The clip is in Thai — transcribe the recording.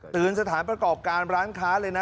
สถานประกอบการร้านค้าเลยนะ